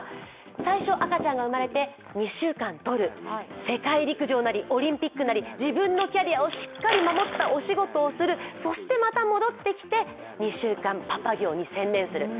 最初赤ちゃんが生まれて２週間とる世界陸上なりオリンピックなり自分のキャリアをしっかり守ったお仕事をする、そして、また戻ってきて２週間、パパ業に専念する。